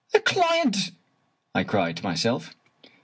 " A client! " I cried to myself.